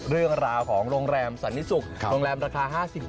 อยู่ห้องสุขามาก